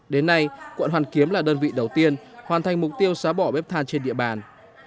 đến nay quận hoàn kiếm là đơn vị đầu tiên hoàn thành mục tiêu xóa bỏ bếp than trên địa bàn